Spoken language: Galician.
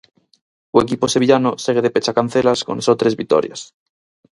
O equipo sevillano segue de pechacancelas con só tres vitorias.